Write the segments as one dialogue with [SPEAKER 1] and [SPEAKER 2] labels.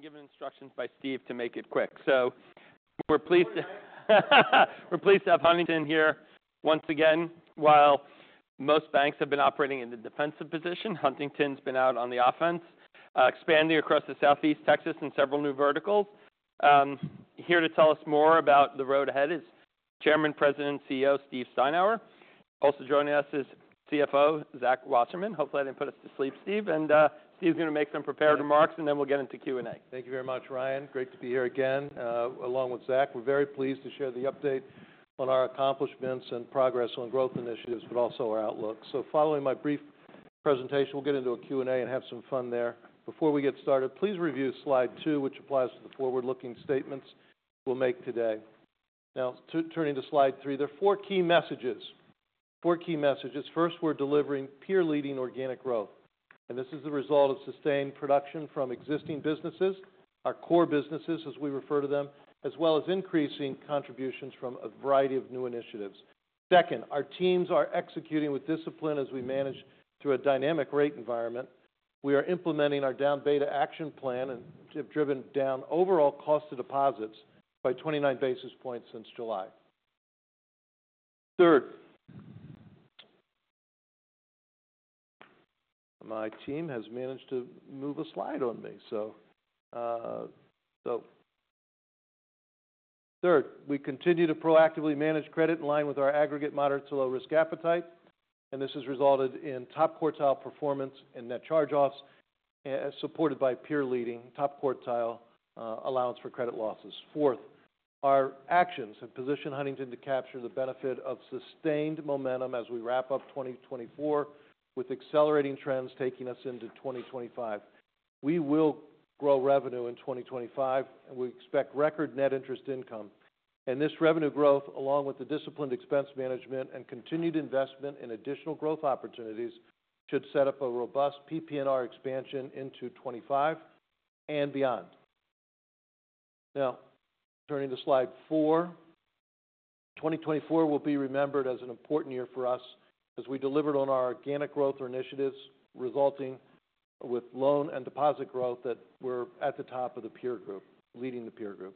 [SPEAKER 1] I've been given instructions by Steve to make it quick. So we're pleased to have Huntington here once again. While most banks have been operating in the defensive position, Huntington's been out on the offense, expanding across the Southeast, Texas in several new verticals. Here to tell us more about the road ahead is Chairman, President, CEO Steve Steinour. Also joining us is CFO Zach Wasserman. Hopefully, I didn't put us to sleep, Steve, and Steve's gonna make some prepared remarks, and then we'll get into Q and A.
[SPEAKER 2] Thank you very much, Ryan. Great to be here again, along with Zach. We're very pleased to share the update on our accomplishments and progress on growth initiatives, but also our outlook. So following my brief presentation, we'll get into a Q and A and have some fun there. Before we get started, please review slide two, which applies to the forward-looking statements we'll make today. Now, turning to slide three, there are four key messages - four key messages. First, we're delivering peer-leading organic growth. And this is the result of sustained production from existing businesses, our core businesses, as we refer to them, as well as increasing contributions from a variety of new initiatives. Second, our teams are executing with discipline as we manage through a dynamic rate environment. We are implementing our down beta action plan and have driven down overall cost of deposits by 29 basis points since July. Third. My team has managed to move a slide on me, so. Third, we continue to proactively manage credit in line with our aggregate moderate to low risk appetite. And this has resulted in top quartile performance and net charge-offs, supported by peer-leading top quartile, allowance for credit losses. Fourth, our actions have positioned Huntington to capture the benefit of sustained momentum as we wrap up 2024, with accelerating trends taking us into 2025. We will grow revenue in 2025, and we expect record net interest income. And this revenue growth, along with the disciplined expense management and continued investment in additional growth opportunities, should set up a robust PPNR expansion into 2025 and beyond. Now, turning to slide four, 2024 will be remembered as an important year for us as we delivered on our organic growth initiatives, resulting with loan and deposit growth that we're at the top of the peer group, leading the peer group.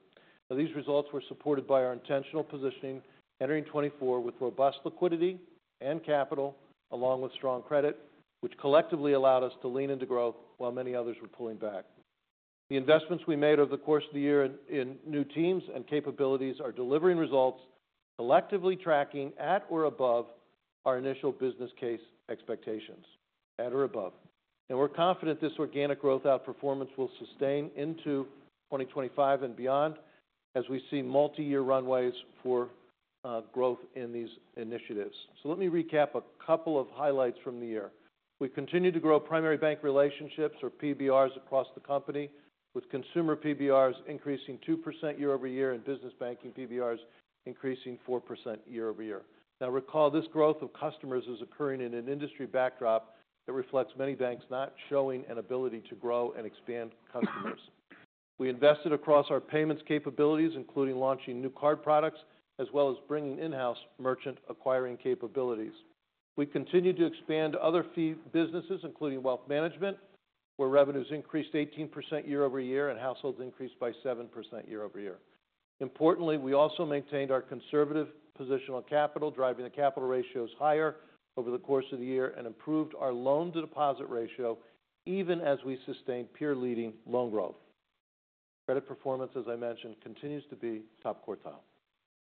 [SPEAKER 2] Now, these results were supported by our intentional positioning entering 2024 with robust liquidity and capital, along with strong credit, which collectively allowed us to lean into growth while many others were pulling back. The investments we made over the course of the year in new teams and capabilities are delivering results, collectively tracking at or above our initial business case expectations, at or above, and we're confident this organic growth outperformance will sustain into 2025 and beyond as we see multi-year runways for growth in these initiatives, so let me recap a couple of highlights from the year. We continue to grow primary bank relationships, or PBRs, across the company, with consumer PBRs increasing 2% year over year and business banking PBRs increasing 4% year over year. Now, recall this growth of customers is occurring in an industry backdrop that reflects many banks not showing an ability to grow and expand customers. We invested across our payments capabilities, including launching new card products as well as bringing in-house merchant acquiring capabilities. We continued to expand other fee businesses, including wealth management, where revenues increased 18% year over year and households increased by 7% year over year. Importantly, we also maintained our conservative positional capital, driving the capital ratios higher over the course of the year and improved our loan-to-deposit ratio, even as we sustained peer-leading loan growth. Credit performance, as I mentioned, continues to be top quartile.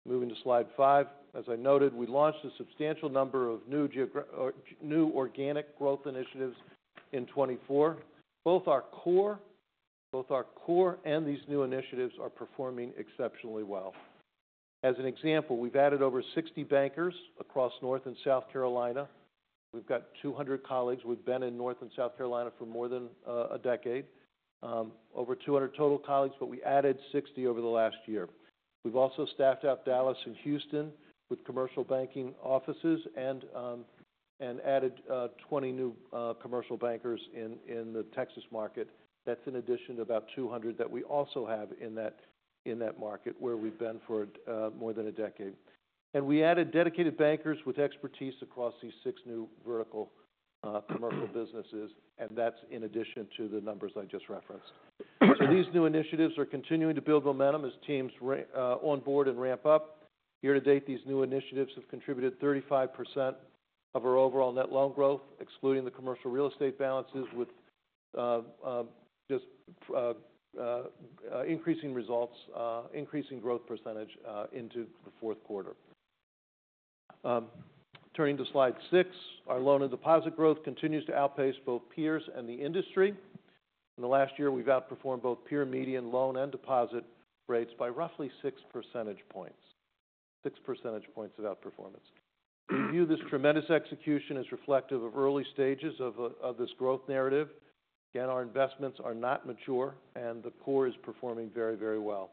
[SPEAKER 2] Moving to slide five, as I noted, we launched a substantial number of new organic growth initiatives in 2024. Both our core and these new initiatives are performing exceptionally well. As an example, we've added over 60 bankers across North and South Carolina. We've got 200 colleagues. We've been in North and South Carolina for more than a decade, over 200 total colleagues, but we added 60 over the last year. We've also staffed out Dallas and Houston with commercial banking offices and added 20 new commercial bankers in the Texas market. That's in addition to about 200 that we also have in that market where we've been for more than a decade. We added dedicated bankers with expertise across these six new vertical commercial businesses, and that's in addition to the numbers I just referenced. So these new initiatives are continuing to build momentum as teams onboard and ramp up. Year to date, these new initiatives have contributed 35% of our overall net loan growth, excluding the commercial real estate balances, with just increasing results, increasing growth percentage, into the fourth quarter. Turning to slide six, our loan and deposit growth continues to outpace both peers and the industry. In the last year, we've outperformed both peer median loan and deposit rates by roughly six percentage points, six percentage points of outperformance. We view this tremendous execution as reflective of early stages of this growth narrative. Again, our investments are not mature, and the core is performing very, very well.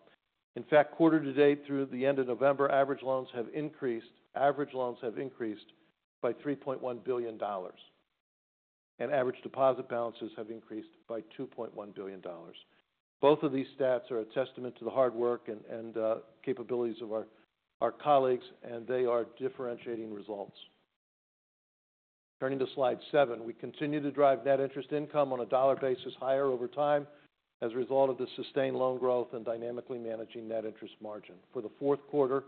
[SPEAKER 2] In fact, quarter to date, through the end of November, average loans have increased by $3.1 billion, and average deposit balances have increased by $2.1 billion. Both of these stats are a testament to the hard work and capabilities of our colleagues, and they are differentiating results. Turning to slide seven, we continue to drive net interest income on a dollar basis higher over time as a result of the sustained loan growth and dynamically managing net interest margin. For the fourth quarter,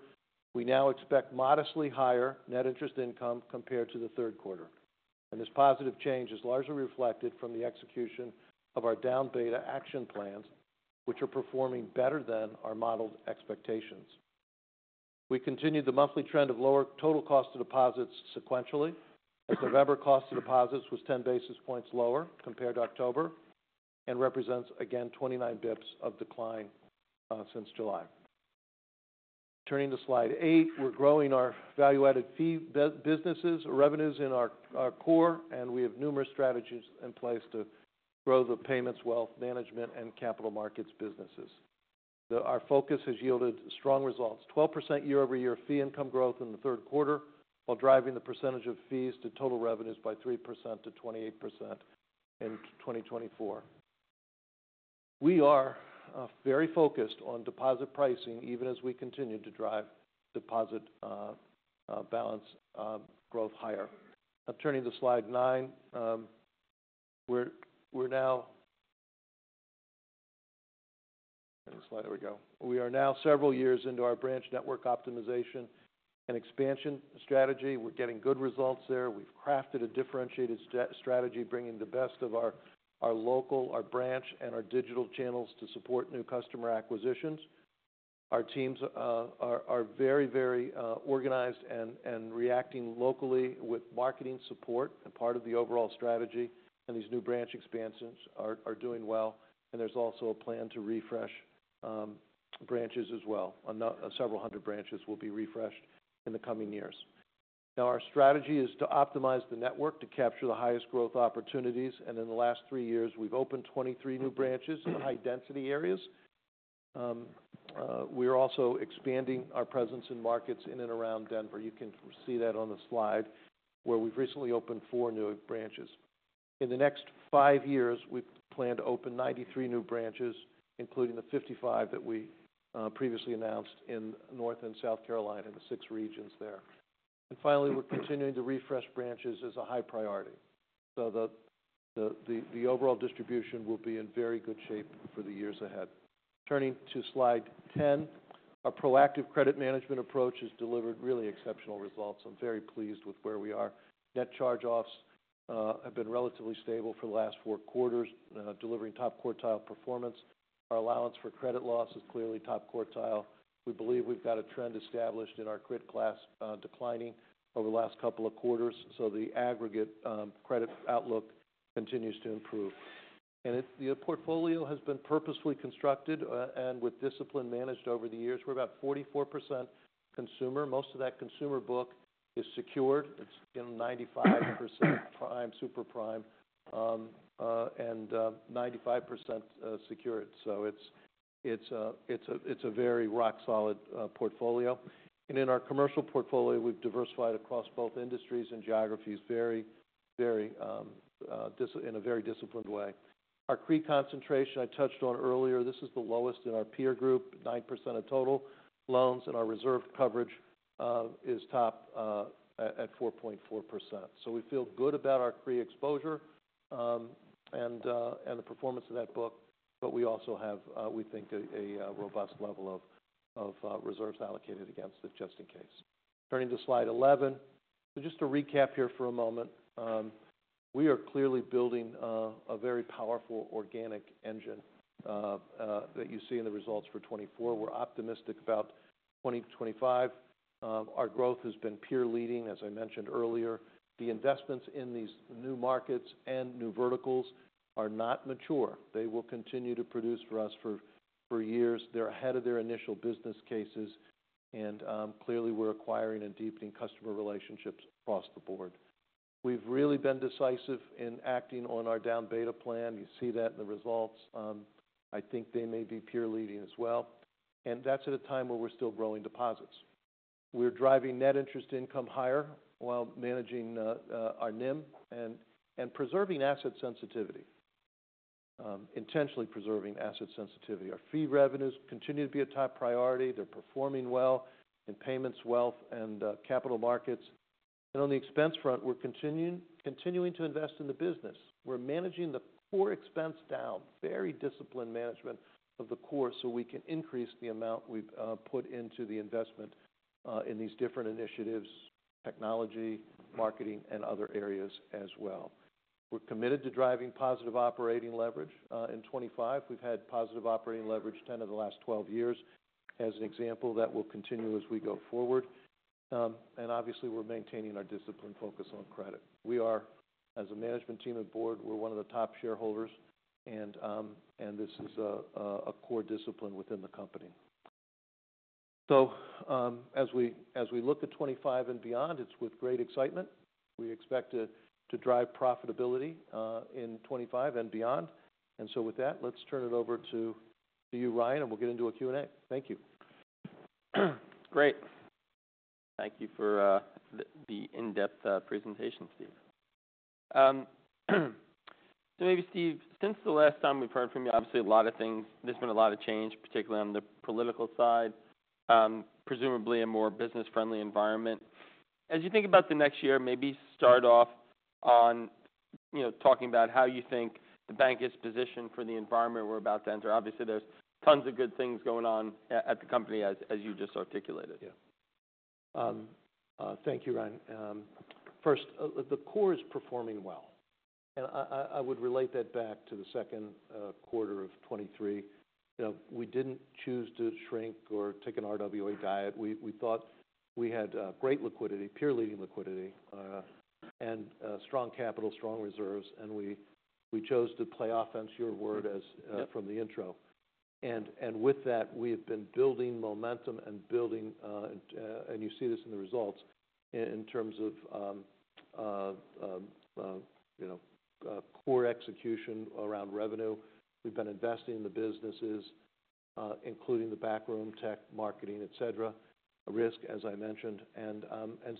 [SPEAKER 2] we now expect modestly higher net interest income compared to the third quarter, and this positive change is largely reflected from the execution of our down beta action plans, which are performing better than our modeled expectations. We continue the monthly trend of lower total cost of deposits sequentially, as November cost of deposits was 10 basis points lower compared to October and represents, again, 29 basis points of decline, since July. Turning to slide eight, we're growing our value-added fee businesses or revenues in our core, and we have numerous strategies in place to grow the payments, wealth management, and capital markets businesses. Our focus has yielded strong results: 12% year-over-year fee income growth in the third quarter, while driving the percentage of fees to total revenues by 3% to 28% in 2024. We are very focused on deposit pricing, even as we continue to drive deposit balance growth higher. Now, turning to slide nine. We are now several years into our branch network optimization and expansion strategy. We're getting good results there. We've crafted a differentiated strategy, bringing the best of our local, our branch, and our digital channels to support new customer acquisitions. Our teams are very organized and reacting locally with marketing support and part of the overall strategy, and these new branch expansions are doing well, and there's also a plan to refresh branches as well. A number, several hundred branches will be refreshed in the coming years. Now, our strategy is to optimize the network to capture the highest growth opportunities, and in the last three years, we've opened 23 new branches in high-density areas. We are also expanding our presence in markets in and around Denver. You can see that on the slide, where we've recently opened four new branches. In the next five years, we plan to open 93 new branches, including the 55 that we previously announced in North and South Carolina, the six regions there, and finally, we're continuing to refresh branches as a high priority. So the overall distribution will be in very good shape for the years ahead. Turning to slide 10, our proactive credit management approach has delivered really exceptional results. I'm very pleased with where we are. Net charge-offs have been relatively stable for the last four quarters, delivering top quartile performance. Our allowance for credit losses is clearly top quartile. We believe we've got a trend established in our CRE class, declining over the last couple of quarters. So the aggregate credit outlook continues to improve. And the portfolio has been purposefully constructed, and with discipline managed over the years. We're about 44% consumer. Most of that consumer book is secured. It's, you know, 95% prime, super prime, and 95% secured. So it's a very rock-solid portfolio. In our commercial portfolio, we've diversified across both industries and geographies in a very disciplined way. Our CRE concentration I touched on earlier, this is the lowest in our peer group, 9% of total loans. Our reserve coverage is top at 4.4%. We feel good about our CRE exposure and the performance of that book, but we also have, we think, a robust level of reserves allocated against it, just in case. Turning to slide 11. Just to recap here for a moment, we are clearly building a very powerful organic engine that you see in the results for 2024. We're optimistic about 2025. Our growth has been peer-leading, as I mentioned earlier. The investments in these new markets and new verticals are not mature. They will continue to produce for us for years. They're ahead of their initial business cases, and clearly, we're acquiring and deepening customer relationships across the board. We've really been decisive in acting on our down beta plan. You see that in the results. I think they may be peer-leading as well, and that's at a time where we're still growing deposits. We're driving net interest income higher while managing our NIM and preserving asset sensitivity, intentionally preserving asset sensitivity. Our fee revenues continue to be a top priority. They're performing well in payments, wealth, and capital markets, and on the expense front, we're continuing to invest in the business. We're managing the core expense down, very disciplined management of the core so we can increase the amount we've put into investments in these different initiatives, technology, marketing, and other areas as well. We're committed to driving positive operating leverage in 2025. We've had positive operating leverage 10 of the last 12 years, as an example, that will continue as we go forward. And obviously, we're maintaining our disciplined focus on credit. We are, as a management team and board, we're one of the top shareholders. And this is a core discipline within the company. So, as we look at 2025 and beyond, it's with great excitement. We expect to drive profitability in 2025 and beyond. And so with that, let's turn it over to you, Ryan, and we'll get into a Q&A. Thank you.
[SPEAKER 1] Great. Thank you for the in-depth presentation, Steve. So maybe, Steve, since the last time we've heard from you, obviously a lot of things, there's been a lot of change, particularly on the political side, presumably a more business-friendly environment. As you think about the next year, maybe start off on, you know, talking about how you think the bank is positioned for the environment we're about to enter. Obviously, there's tons of good things going on at the company, as you just articulated.
[SPEAKER 2] Yeah. Thank you, Ryan. First, the core is performing well. I would relate that back to the second quarter of 2023. You know, we didn't choose to shrink or take an RWA diet. We thought we had great liquidity, peer-leading liquidity, and strong capital, strong reserves. We chose to play offense, your word from the intro. With that, we have been building momentum and building, and you see this in the results in terms of, you know, core execution around revenue. We've been investing in the businesses, including the backroom tech, marketing, etc., risk, as I mentioned.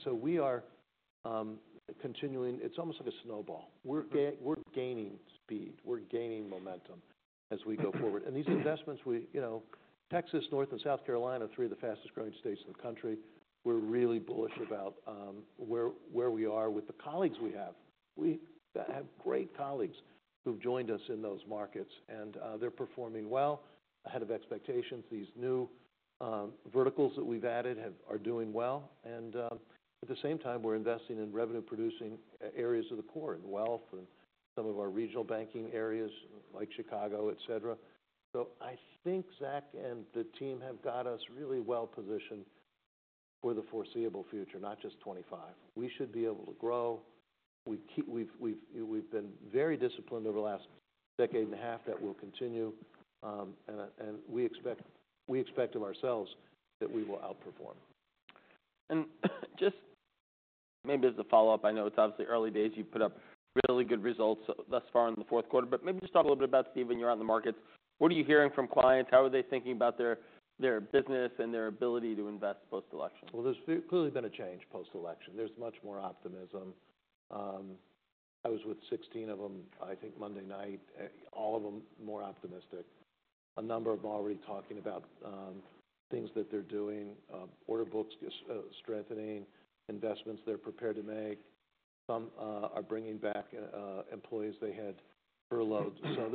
[SPEAKER 2] So we are continuing. It's almost like a snowball. We're gaining speed. We're gaining momentum as we go forward. And these investments, you know, Texas, North and South Carolina, three of the fastest-growing states in the country, we're really bullish about where we are with the colleagues we have. We have great colleagues who've joined us in those markets. And they're performing well ahead of expectations. These new verticals that we've added are doing well. And at the same time, we're investing in revenue-producing areas of the core and wealth and some of our regional banking areas like Chicago, etc. So I think Zach and the team have got us really well-positioned for the foreseeable future, not just 2025. We should be able to grow. We've been very disciplined over the last decade and a half that we'll continue, and we expect of ourselves that we will outperform.
[SPEAKER 1] Just maybe as a follow-up, I know it's obviously early days. You've put up really good results thus far in the fourth quarter. Maybe just talk a little bit about, Steve, when you're out in the markets. What are you hearing from clients? How are they thinking about their business and their ability to invest post-election?
[SPEAKER 2] There's clearly been a change post-election. There's much more optimism. I was with 16 of them, I think, Monday night, all of them more optimistic. A number of them already talking about things that they're doing, order books strengthening, investments they're prepared to make. Some are bringing back employees they had furloughed. So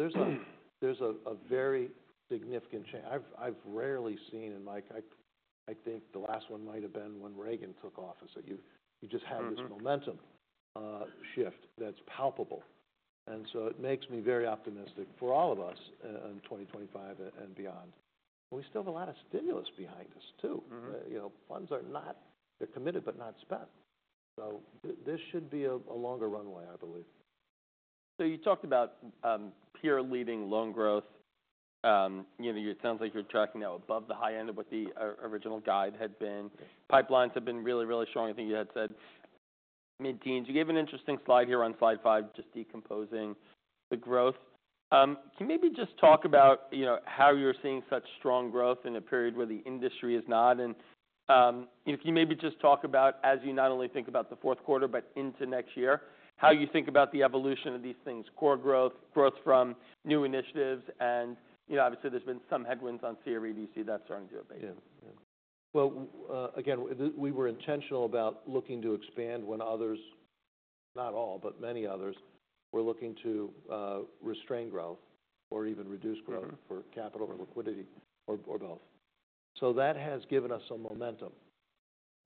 [SPEAKER 2] there's a very significant change. I've rarely seen, and Mike, I think the last one might have been when Reagan took office, that you just had this momentum shift that's palpable. And so it makes me very optimistic for all of us in 2025 and beyond. And we still have a lot of stimulus behind us too.
[SPEAKER 1] Mm-hmm.
[SPEAKER 3] You know, funds are not—they're committed but not spent. So this should be a longer runway, I believe.
[SPEAKER 1] So you talked about peer-leading loan growth. You know, it sounds like you're tracking now above the high end of what the original guidance had been. Pipelines have been really, really strong, I think you had said. I mean, Zach, you gave an interesting slide here on slide five, just decomposing the growth. Can you maybe just talk about, you know, how you're seeing such strong growth in a period where the industry is not? And, you know, can you maybe just talk about, as you not only think about the fourth quarter but into next year, how you think about the evolution of these things: core growth, growth from new initiatives, and, you know, obviously, there's been some headwinds on CRE that's starting to abate.
[SPEAKER 2] Yeah. Yeah. Well, again, we were intentional about looking to expand when others, not all, but many others, were looking to restrain growth or even reduce growth for capital or liquidity or both. So that has given us some momentum.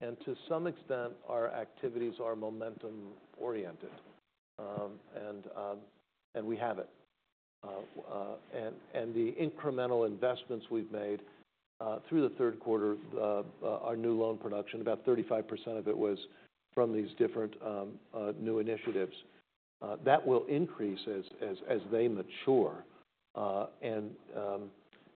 [SPEAKER 2] And to some extent, our activities are momentum-oriented. And we have it. And the incremental investments we've made through the third quarter, our new loan production, about 35% of it was from these different new initiatives. That will increase as they mature. And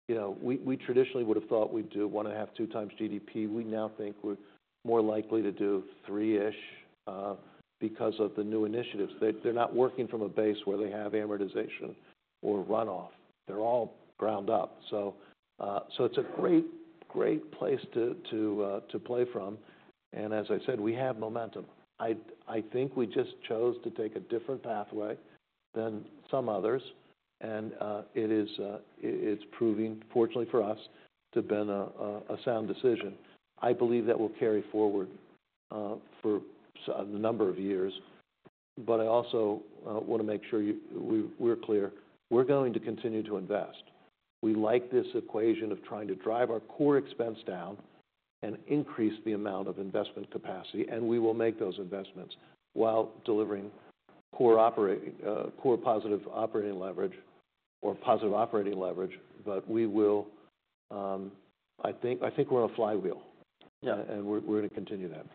[SPEAKER 2] you know, we traditionally would have thought we'd do one and a half, two times GDP. We now think we're more likely to do three-ish, because of the new initiatives. They're not working from a base where they have amortization or runoff. They're all ground up. So it's a great place to play from. As I said, we have momentum. I think we just chose to take a different pathway than some others. It is proving, fortunately for us, to have been a sound decision. I believe that will carry forward for a number of years. I also want to make sure you—we're clear. We're going to continue to invest. We like this equation of trying to drive our core expense down and increase the amount of investment capacity. We will make those investments while delivering core positive operating leverage or positive operating leverage. We will, I think we're on a flywheel.
[SPEAKER 1] Yeah.
[SPEAKER 2] And we're going to continue that.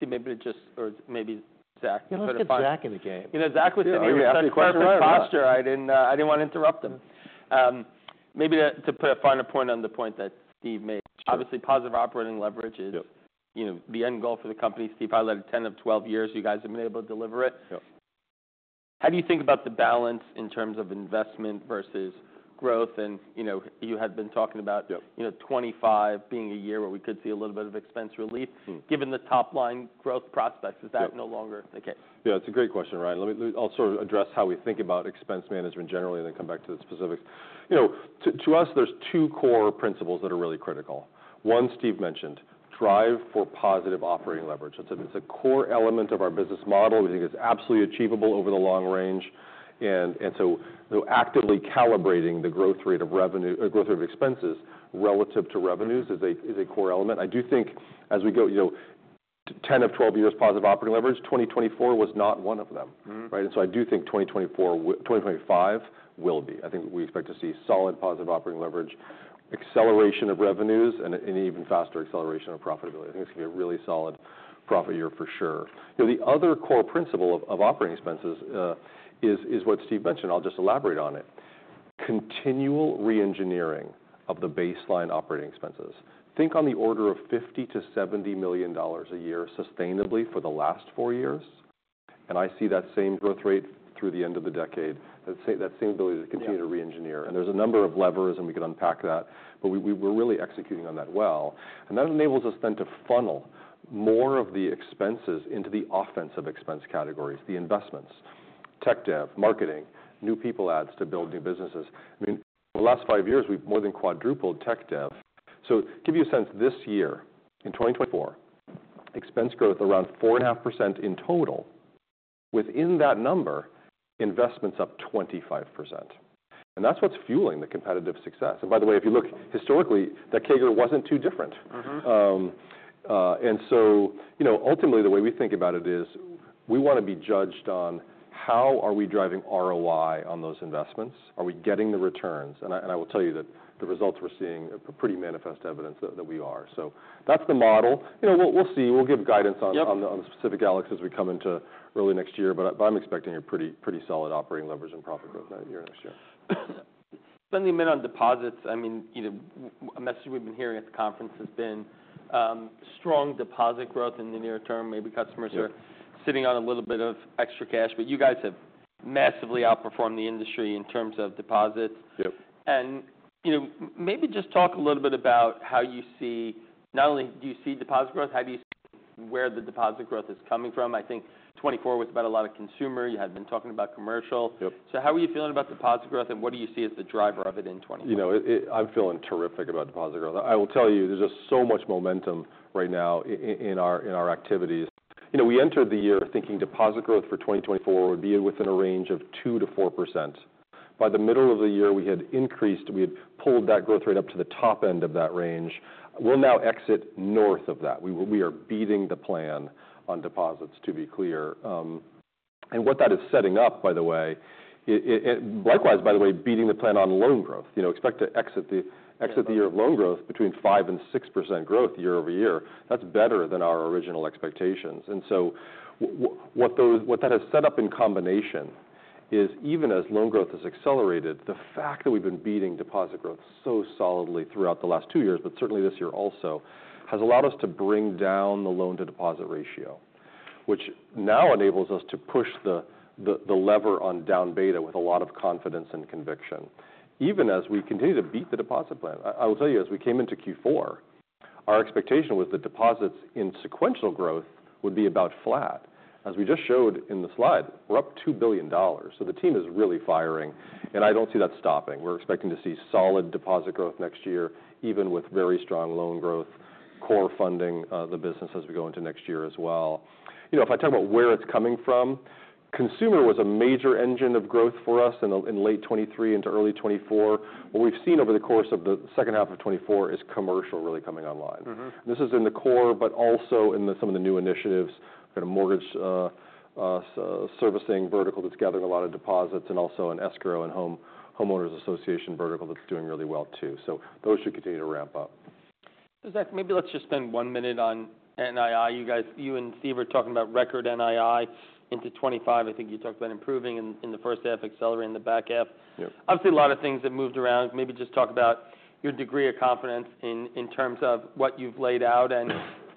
[SPEAKER 1] Steve, maybe to just, or maybe Zach.
[SPEAKER 2] You don't have to put Zach in the game.
[SPEAKER 1] You know, Zach was saying. I already asked the question. I didn't want to interrupt him. Maybe to put a finer point on the point that Steve made.
[SPEAKER 3] Sure.
[SPEAKER 1] Obviously, positive operating leverage is, you know, the end goal for the company. Steve highlighted 10 of 12 years. You guys have been able to deliver it.
[SPEAKER 3] Yep.
[SPEAKER 4] How do you think about the balance in terms of investment versus growth? And, you know, you had been talking about, you know, 2025 being a year where we could see a little bit of expense relief.
[SPEAKER 3] Mm-hmm.
[SPEAKER 1] Given the top-line growth prospects, is that no longer the case?
[SPEAKER 3] Yeah. It's a great question, Ryan. Let me, I'll sort of address how we think about expense management generally and then come back to the specifics. You know, to us, there's two core principles that are really critical. One, Steve mentioned, drive for positive operating leverage. That's, it's a core element of our business model. We think it's absolutely achievable over the long range. And so actively calibrating the growth rate of revenue, growth rate of expenses relative to revenues is a core element. I do think as we go, you know, 10 of 12 years positive operating leverage, 2024 was not one of them.
[SPEAKER 1] Mm-hmm.
[SPEAKER 3] Right? And so I do think 2024 will, 2025 will be. I think we expect to see solid positive operating leverage, acceleration of revenues, and an even faster acceleration of profitability. I think it's going to be a really solid profit year for sure. You know, the other core principle of, of operating expenses, is, is what Steve mentioned. I'll just elaborate on it. Continual re-engineering of the baseline operating expenses. Think on the order of $50-$70 million a year sustainably for the last four years. And I see that same growth rate through the end of the decade, that same, that same ability to continue to re-engineer. And there's a number of levers, and we could unpack that. But we, we were really executing on that well. That enables us then to funnel more of the expenses into the offensive expense categories, the investments, tech dev, marketing, new people adds to build new businesses. I mean, over the last five years, we've more than quadrupled tech dev. To give you a sense, this year, in 2024, expense growth around 4.5% in total. Within that number, investments up 25%. That's what's fueling the competitive success. By the way, if you look historically, that CAGR wasn't too different.
[SPEAKER 1] Mm-hmm.
[SPEAKER 3] And so, you know, ultimately, the way we think about it is we want to be judged on how are we driving ROI on those investments. Are we getting the returns? And I will tell you that the results we're seeing are pretty manifest evidence that we are. So that's the model. You know, we'll see. We'll give guidance on the specific categories as we come into early next year. But I'm expecting a pretty solid operating leverage and profit growth that year next year.
[SPEAKER 1] Spending a minute on deposits. I mean, you know, a message we've been hearing at the conference has been, strong deposit growth in the near term. Maybe customers are sitting on a little bit of extra cash. But you guys have massively outperformed the industry in terms of deposits.
[SPEAKER 3] Yep.
[SPEAKER 1] You know, maybe just talk a little bit about how you see not only do you see deposit growth, how do you see where the deposit growth is coming from? I think 2024 was about a lot of consumer. You had been talking about commercial.
[SPEAKER 3] Yep.
[SPEAKER 1] So how are you feeling about deposit growth, and what do you see as the driver of it in 2024?
[SPEAKER 3] You know, I'm feeling terrific about deposit growth. I will tell you, there's just so much momentum right now in our activities. You know, we entered the year thinking deposit growth for 2024 would be within a range of 2%-4%. By the middle of the year, we had increased, we had pulled that growth rate up to the top end of that range. We'll now exit north of that. We are beating the plan on deposits, to be clear, and what that is setting up, by the way, likewise, by the way, beating the plan on loan growth. You know, expect to exit the year of loan growth between 5% and 6% growth year over year. That's better than our original expectations. What that has set up in combination is even as loan growth has accelerated, the fact that we've been beating deposit growth so solidly throughout the last two years, but certainly this year also, has allowed us to bring down the loan-to-deposit ratio, which now enables us to push the lever on down beta with a lot of confidence and conviction. Even as we continue to beat the deposit plan, I will tell you, as we came into Q4, our expectation was that deposits in sequential growth would be about flat. As we just showed in the slide, we're up $2 billion. The team is really firing, and I don't see that stopping. We're expecting to see solid deposit growth next year, even with very strong loan growth, core funding the business as we go into next year as well. You know, if I talk about where it's coming from, consumer was a major engine of growth for us in the, in late 2023 into early 2024. What we've seen over the course of the second half of 2024 is commercial really coming online.
[SPEAKER 1] Mm-hmm.
[SPEAKER 3] This is in the core, but also in some of the new initiatives. We've got a mortgage servicing vertical that's gathering a lot of deposits and also an escrow and homeowners association vertical that's doing really well too, so those should continue to ramp up.
[SPEAKER 1] So, Zach, maybe let's just spend one minute on NII. You guys, you and Steve were talking about record NII into 2025. I think you talked about improving in the first half, accelerating the back half.
[SPEAKER 3] Yep.
[SPEAKER 1] Obviously, a lot of things have moved around. Maybe just talk about your degree of confidence in, in terms of what you've laid out. And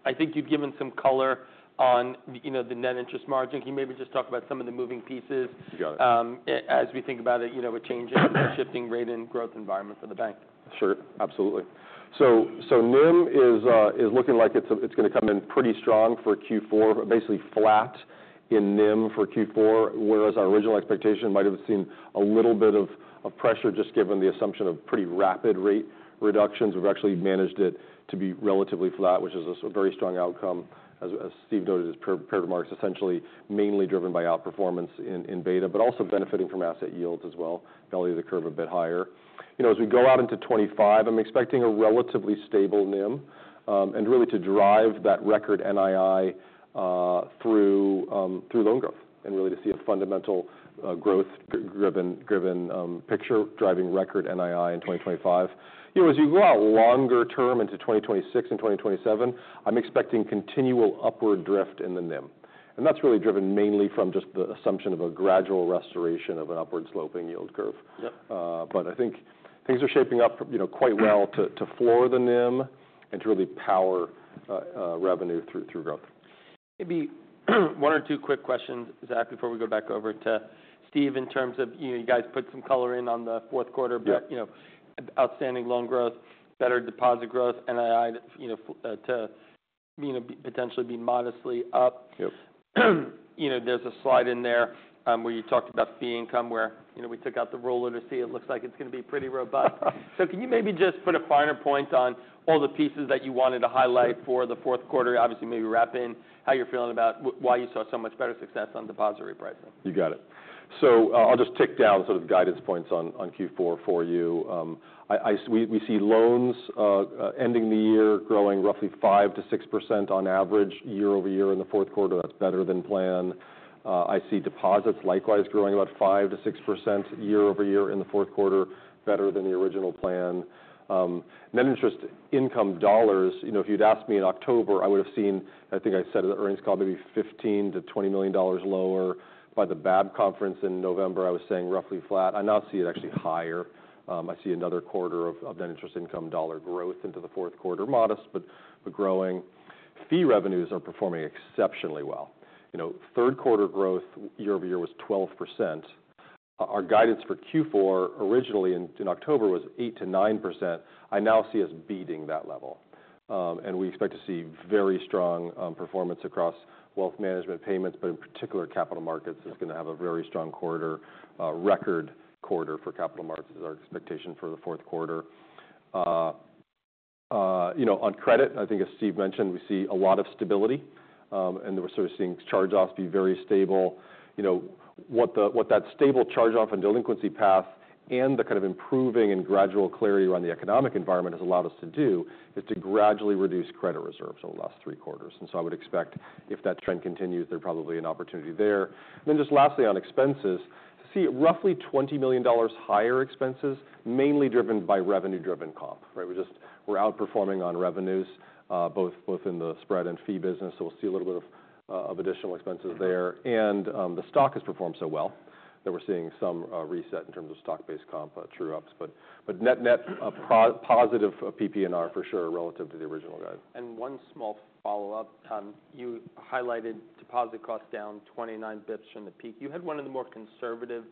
[SPEAKER 1] I think you've given some color on, you know, the net interest margin. Can you maybe just talk about some of the moving pieces?
[SPEAKER 3] You got it.
[SPEAKER 1] As we think about it, you know, with changing and shifting rate and growth environment for the bank?
[SPEAKER 3] Sure. Absolutely. NIM is looking like it's going to come in pretty strong for Q4, basically flat in NIM for Q4, whereas our original expectation might have seen a little bit of pressure just given the assumption of pretty rapid rate reductions. We've actually managed it to be relatively flat, which is a very strong outcome. As Steve noted, his prepared remarks, essentially mainly driven by outperformance in beta, but also benefiting from asset yields as well, value of the curve a bit higher. You know, as we go out into 2025, I'm expecting a relatively stable NIM, and really to drive that record NII through loan growth and really to see a fundamental, growth-driven picture driving record NII in 2025. You know, as you go out longer term into 2026 and 2027, I'm expecting continual upward drift in the NIM. That's really driven mainly from just the assumption of a gradual restoration of an upward sloping yield curve.
[SPEAKER 1] Yep.
[SPEAKER 3] But I think things are shaping up, you know, quite well to floor the NIM and to really power revenue through growth.
[SPEAKER 1] Maybe one or two quick questions, Zach, before we go back over to Steve, in terms of, you know, you guys put some color in on the fourth quarter.
[SPEAKER 3] Yep.
[SPEAKER 1] But, you know, outstanding loan growth, better deposit growth, NII, you know, to, you know, be potentially modestly up.
[SPEAKER 3] Yep.
[SPEAKER 1] You know, there's a slide in there, where you talked about fee income, where, you know, we took out the ruler to see it looks like it's going to be pretty robust. So can you maybe just put a finer point on all the pieces that you wanted to highlight for the fourth quarter? Obviously, maybe wrap in how you're feeling about why you saw so much better success on deposit repricing.
[SPEAKER 3] You got it. So, I'll just tick down sort of guidance points on Q4 for you. We see loans ending the year growing roughly 5%-6% on average year over year in the fourth quarter. That's better than planned. I see deposits likewise growing about 5%-6% year over year in the fourth quarter, better than the original plan. Net interest income dollars, you know, if you'd asked me in October, I would have seen. I think I said at the earnings call, maybe $15-$20 million lower. By the BAAB conference in November, I was saying roughly flat. I now see it actually higher. I see another quarter of net interest income dollar growth into the fourth quarter, modest, but growing. Fee revenues are performing exceptionally well. You know, third quarter growth year over year was 12%. Our guidance for Q4 originally in October was 8%-9%. I now see us beating that level. We expect to see very strong performance across wealth management, payments, but in particular, capital markets is going to have a very strong quarter. Record quarter for capital markets is our expectation for the fourth quarter. You know, on credit, I think, as Steve mentioned, we see a lot of stability. We're sort of seeing charge-offs be very stable. You know, what that stable charge-off and delinquency path and the kind of improving and gradual clarity around the economic environment has allowed us to do is to gradually reduce credit reserves over the last three quarters. So I would expect if that trend continues, there's probably an opportunity there. And then just lastly, on expenses, to see roughly $20 million higher expenses, mainly driven by revenue-driven comp, right? We're just, we're outperforming on revenues, both, both in the spread and fee business. So we'll see a little bit of additional expenses there. And, the stock has performed so well that we're seeing some reset in terms of stock-based comp, true-ups. But, but net, net, pro-positive PP&R for sure relative to the original guide.
[SPEAKER 1] One small follow-up. You highlighted deposit costs down 29 basis points from the peak. You had one of the more conservative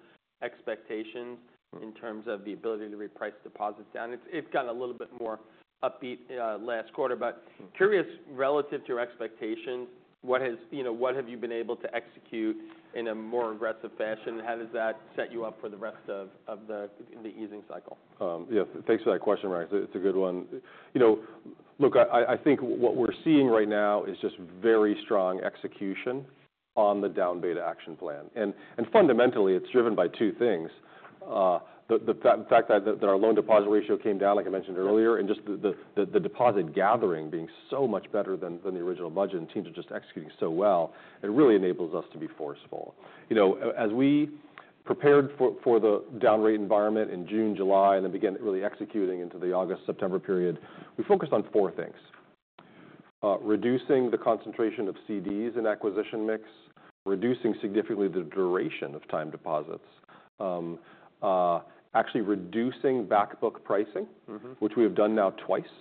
[SPEAKER 1] expectations in terms of the ability to reprice deposits down. It's gotten a little bit more upbeat last quarter. But curious, relative to your expectations, what has, you know, what have you been able to execute in a more aggressive fashion, and how does that set you up for the rest of the easing cycle?
[SPEAKER 3] Yeah. Thanks for that question, Ryan. It's a good one. You know, look, I think what we're seeing right now is just very strong execution on the down beta action plan. And fundamentally, it's driven by two things. The fact that our loan-to-deposit ratio came down, like I mentioned earlier, and just the deposit gathering being so much better than the original budget and teams are just executing so well, it really enables us to be forceful. You know, as we prepared for the down rate environment in June, July, and then began really executing into the August, September period, we focused on four things: reducing the concentration of CDs in acquisition mix, reducing significantly the duration of time deposits, actually reducing backbook pricing.
[SPEAKER 1] Mm-hmm.
[SPEAKER 3] Which we have done now twice,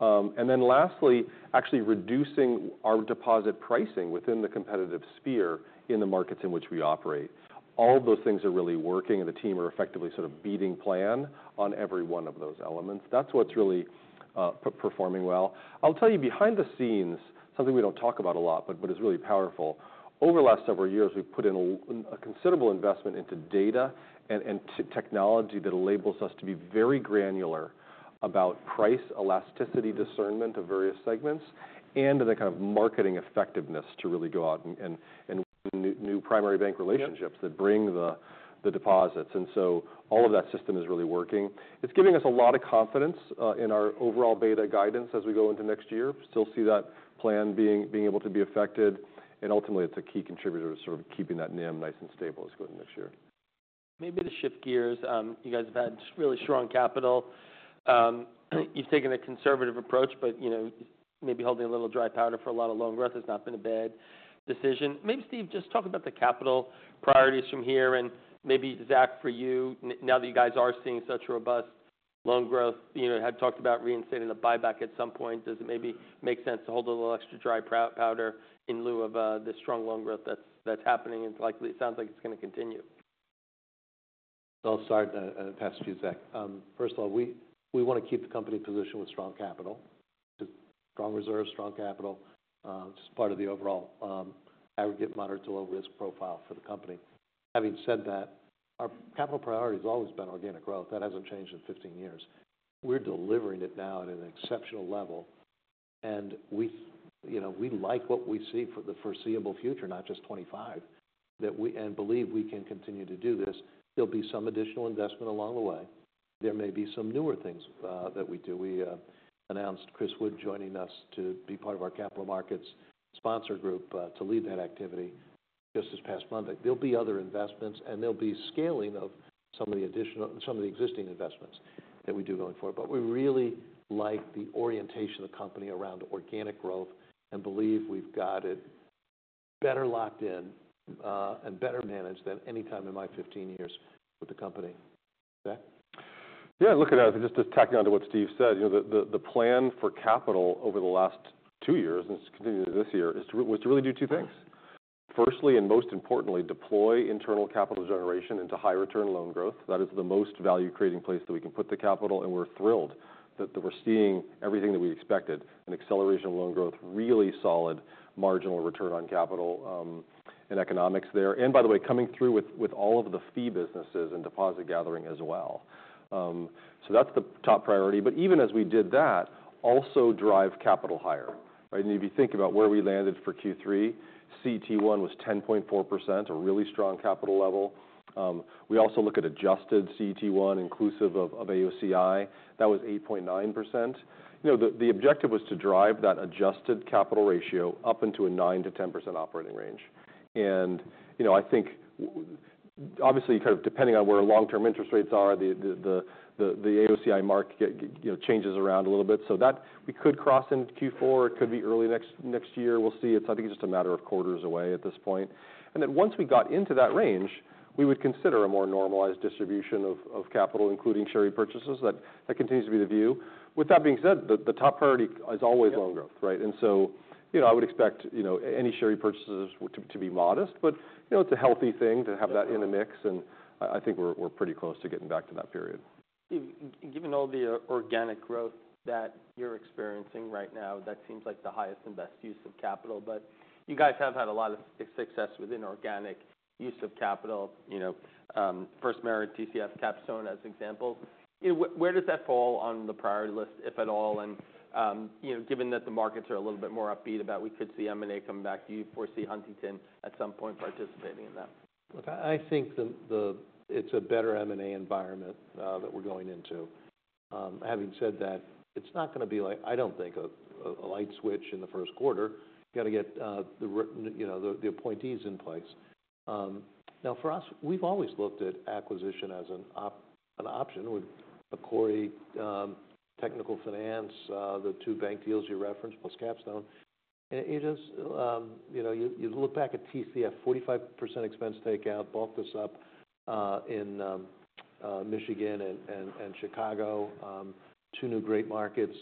[SPEAKER 3] and then lastly, actually reducing our deposit pricing within the competitive sphere in the markets in which we operate. All of those things are really working, and the team are effectively sort of beating plan on every one of those elements. That's what's really performing well. I'll tell you, behind the scenes, something we don't talk about a lot, but is really powerful. Over the last several years, we've put in a considerable investment into data and technology that enables us to be very granular about price elasticity discernment of various segments and the kind of marketing effectiveness to really go out and new primary bank relationships that bring the deposits, and so all of that system is really working. It's giving us a lot of confidence in our overall beta guidance as we go into next year. Still see that plan being able to be affected. And ultimately, it's a key contributor to sort of keeping that NIM nice and stable as we go into next year.
[SPEAKER 1] Maybe to shift gears, you guys have had really strong capital. You've taken a conservative approach, but, you know, maybe holding a little dry powder for a lot of loan growth has not been a bad decision. Maybe Steve, just talk about the capital priorities from here. And maybe, Zach, for you, now that you guys are seeing such robust loan growth, you know, had talked about reinstating the buyback at some point, does it maybe make sense to hold a little extra dry powder in lieu of the strong loan growth that's happening? It's likely it sounds like it's going to continue.
[SPEAKER 2] So I'll start, pass to you, Zach. First of all, we want to keep the company positioned with strong capital, strong reserves, strong capital, which is part of the overall, aggregate moderate to low risk profile for the company. Having said that, our capital priority has always been organic growth. That hasn't changed in 15 years. We're delivering it now at an exceptional level. And we, you know, we like what we see for the foreseeable future, not just '25, that we believe we can continue to do this. There'll be some additional investment along the way. There may be some newer things that we do. We announced Chris Wood joining us to be part of our capital markets sponsor group, to lead that activity just this past Monday. There'll be other investments, and there'll be scaling of some of the additional, some of the existing investments that we do going forward. But we really like the orientation of the company around organic growth and believe we've got it better locked in, and better managed than any time in my 15 years with the company. Zach?
[SPEAKER 3] Yeah. Look, just tacking on to what Steve said, you know, the plan for capital over the last two years, and it's continued this year, is to really do two things. Firstly, and most importantly, deploy internal capital generation into high-return loan growth. That is the most value-creating place that we can put the capital, and we're thrilled that we're seeing everything that we expected: an acceleration of loan growth, really solid marginal return on capital, and economics there, and by the way, coming through with all of the fee businesses and deposit gathering as well, so that's the top priority, but even as we did that, also drive capital higher, right, and if you think about where we landed for Q3, CET1 was 10.4%, a really strong capital level. We also look at adjusted CET1, inclusive of AOCI. That was 8.9%. You know, the objective was to drive that adjusted capital ratio up into a 9%-10% operating range. And, you know, I think, obviously, kind of depending on where long-term interest rates are, the AOCI market, you know, changes around a little bit. So that we could cross into Q4. It could be early next year. We'll see. It's, I think, just a matter of quarters away at this point. And then once we got into that range, we would consider a more normalized distribution of capital, including share repurchases. That continues to be the view. With that being said, the top priority is always loan growth, right? And so, you know, I would expect, you know, any share repurchases to be modest. But, you know, it's a healthy thing to have that in a mix. I think we're pretty close to getting back to that period.
[SPEAKER 1] Steve, given all the organic growth that you're experiencing right now, that seems like the highest and best use of capital. But you guys have had a lot of success within organic use of capital, you know, FirstMerit, TCF, Capstone as examples. You know, where does that fall on the priority list, if at all? And, you know, given that the markets are a little bit more upbeat about we could see M&A coming back, do you foresee Huntington at some point participating in that?
[SPEAKER 2] Well, I think it's a better M&A environment that we're going into. Having said that, it's not going to be like, I don't think, a light switch in the first quarter. You got to get, you know, the appointees in place. Now for us, we've always looked at acquisition as an option with Macquarie technical finance, the two bank deals you referenced plus Capstone. And it is, you know, you look back at TCF, 45% expense takeout, bulked us up in Michigan and Chicago, two new great markets,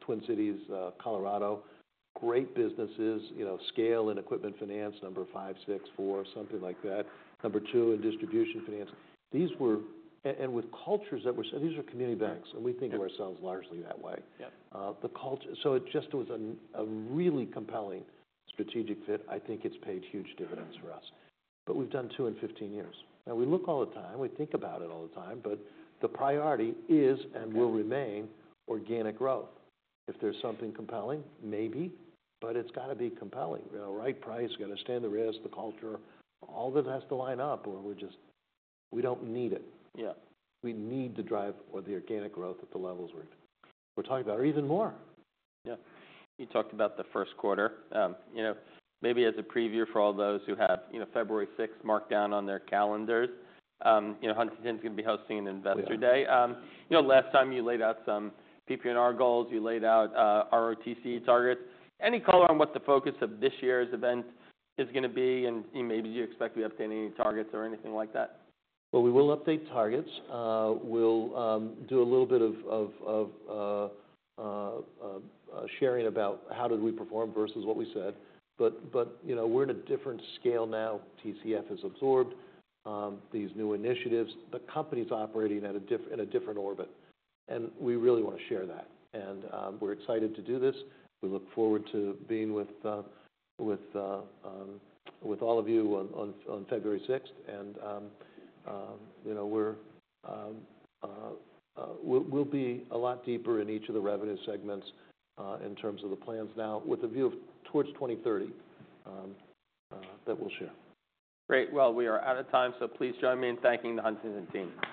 [SPEAKER 2] Twin Cities, Colorado. Great businesses, you know, scale in equipment finance, number five, six, four, something like that. Number two in distribution finance. These were and with cultures that were said, these are community banks, and we think of ourselves largely that way.
[SPEAKER 1] Yep.
[SPEAKER 2] The culture. So it just was a really compelling strategic fit. I think it's paid huge dividends for us. But we've done two in 15 years. Now, we look all the time. We think about it all the time. But the priority is and will remain organic growth. If there's something compelling, maybe, but it's got to be compelling. You know, right price, got to stand the risk, the culture, all of it has to line up, or we're just, we don't need it.
[SPEAKER 1] Yeah.
[SPEAKER 2] We need to drive the organic growth at the levels we're talking about or even more.
[SPEAKER 1] Yeah. You talked about the first quarter. You know, maybe as a preview for all those who have, you know, February 6th marked down on their calendars, you know, Huntington's going to be hosting an Investor Day. You know, last time you laid out some PPNR goals, you laid out ROTCE targets. Any color on what the focus of this year's event is going to be? And you know, maybe you expect we update any targets or anything like that?
[SPEAKER 2] We will update targets. We'll do a little bit of sharing about how did we perform versus what we said. You know, we're in a different scale now. TCF is absorbed, these new initiatives. The company's operating at a different orbit. We really want to share that. We're excited to do this. We look forward to being with all of you on February 6th. You know, we'll be a lot deeper in each of the revenue segments, in terms of the plans now with a view towards 2030, that we'll share.
[SPEAKER 1] Great. Well, we are out of time. So please join me in thanking the Huntington team.